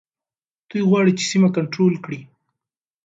دوی غواړي چي سیمه کنټرول کړي.